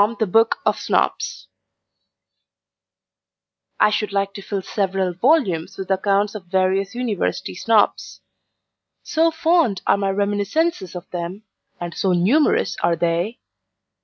CHAPTER XV ON UNIVERSITY SNOBS I should like to fill several volumes with accounts of various University Snobs; so fond are my reminiscences of them, and so numerous are they.